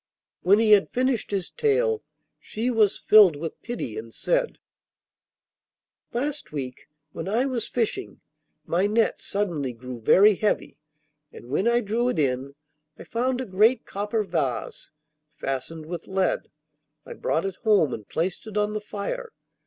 When he had finished his tale, she was filled with pity and said: 'Last week, when I was fishing, my net suddenly grew very heavy, and when I drew it in I found a great copper vase, fastened with lead. I brought it home and placed it on the fire.